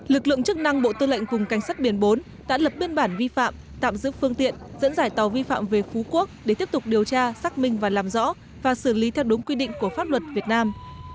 lực lượng chức năng bộ tư lệnh vùng cảnh sát biển bốn đã lập biên bản vi phạm tạm giữ phương tiện dẫn dải tàu vi phạm về phú quốc để tiếp tục điều tra xác minh và làm rõ và xử lý theo đúng quy định của pháp luật việt nam